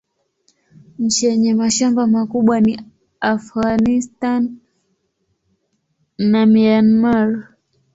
Nchi yenye mashamba makubwa ni Afghanistan na Myanmar.